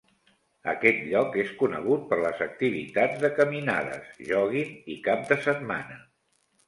Aquest lloc és conegut per les activitats de caminades, jòguing i cap de setmana.